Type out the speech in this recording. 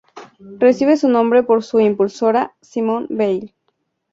Recibe su nombre por su impulsora, Simone Veil.